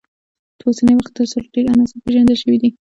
په اوسني وخت کې تر سلو ډیر عناصر پیژندل شوي دي.